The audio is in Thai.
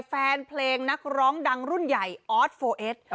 แฟนเพลงนักร้องดังรุ่นใหญ่ออสโฟเอส